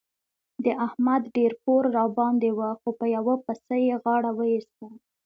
د احمد ډېر پور راباندې وو خو په یوه پسه يې غاړه وېسته.